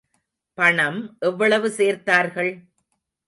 பணம் எவ்வளவு சேர்த்தார்கள்?